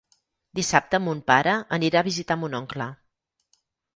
Dissabte mon pare anirà a visitar mon oncle.